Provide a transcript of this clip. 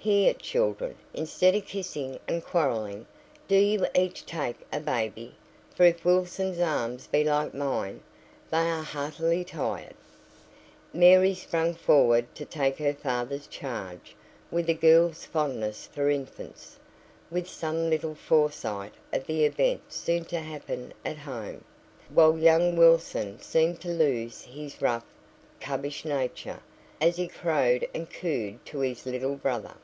"Here, children, instead o' kissing and quarrelling, do ye each take a baby, for if Wilson's arms be like mine they are heartily tired." Mary sprang forward to take her father's charge, with a girl's fondness for infants, and with some little foresight of the event soon to happen at home; while young Wilson seemed to lose his rough, cubbish nature as he crowed and cooed to his little brother.